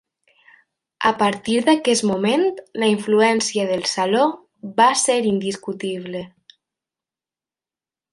A partir d'aquest moment, la influència del Saló va ser indiscutible.